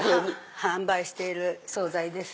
販売している総菜です。